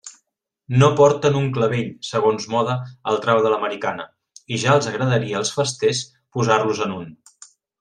No porten un clavell, segons moda, al trau de l'americana —i ja els agradaria als festers posar-los-en un.